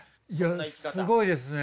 いやすごいですね。